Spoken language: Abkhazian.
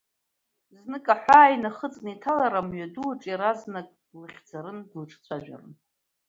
Знык аҳәаа инахыҵны инҭалар, амҩаду аҿы иаразнак длыхьӡарын, длыҿцәажәарын.